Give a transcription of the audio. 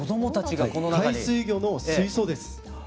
海水魚の水槽です。